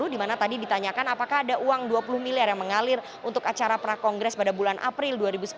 dimana tadi ditanyakan apakah ada uang dua puluh miliar yang mengalir untuk acara prakongres pada bulan april dua ribu sepuluh